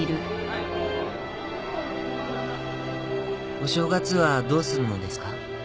「お正月はどうするのですか？